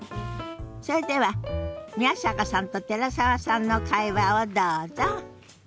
それでは宮坂さんと寺澤さんの会話をどうぞ。